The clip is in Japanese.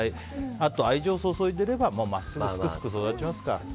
あと愛情を注いでれば真っすぐ、すくすく育ちますから。